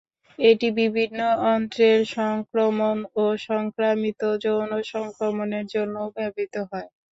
এটি বিভিন্ন অন্ত্রের সংক্রমণ এবং সংক্রামিত যৌন সংক্রমণের জন্যও ব্যবহৃত হয়।